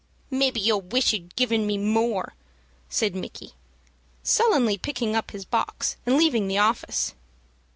"Maybe you'll wish you'd given me more," said Micky, sullenly picking up his box, and leaving the office.